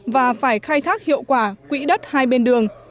và phải khai thác hiệu quả quỹ đất hai bên đường